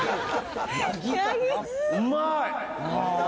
うまい！